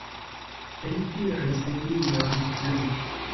Li diris nenion plu.